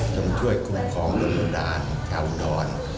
จงช่วยคุมของอุดรธานชาวอุดร